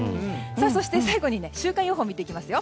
そして、最後に週間予報を見ていきます。